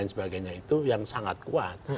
sebagainya itu yang sangat kuat